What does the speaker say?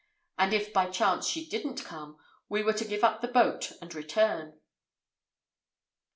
And if by chance she didn't come, we were to give up the boat and return."